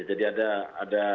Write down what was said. ya jadi ada